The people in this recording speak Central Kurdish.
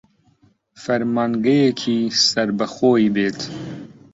فەرمانگەیەکی سەر بە خۆی بێت